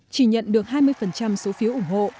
chỉ nhận được hai mươi số phiếu ủng hộ